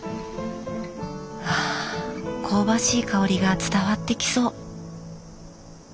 わあ香ばしい香りが伝わってきそう！